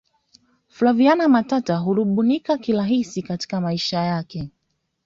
flaviana matata harubuniki kirahisi katika maisha yake